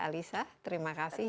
alisa terima kasih